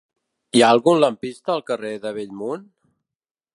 Hi ha algun lampista al carrer de Bellmunt?